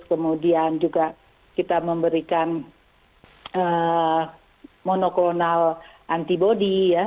kemudian juga kita memberikan monoklonal antibody ya